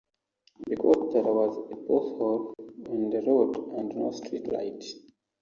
Because there was a pothole on the road and no street light.